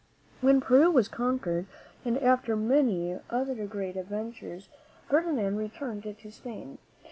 When Peru was conquered, and after many other great adventures, Ferdinand returned to Spain.